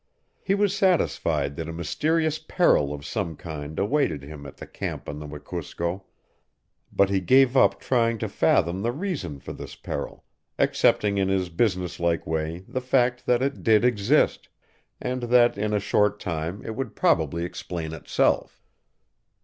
He was satisfied that a mysterious peril of some kind awaited him at the camp on the Wekusko, but he gave up trying to fathom the reason for this peril, accepting in his businesslike way the fact that it did exist, and that in a short time it would probably explain itself.